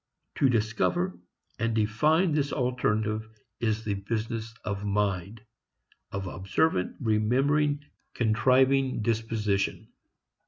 To discover and define this alternative is the business of mind, of observant, remembering, contriving disposition.